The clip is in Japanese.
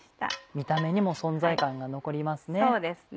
見た目にも存在感が残りますね。